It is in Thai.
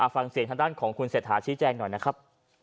ฟังเสียงทางด้านของคุณเศรษฐาชี้แจงหน่อยนะครับ